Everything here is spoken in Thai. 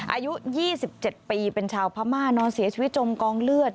อายุ๒๗ปีเป็นชาวพม่านอนเสียชีวิตจมกองเลือด